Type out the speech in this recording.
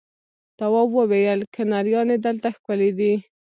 تواب وويل: کنریانې دلته ښکلې دي.